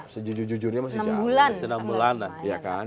sejujurnya masih jauh enam bulan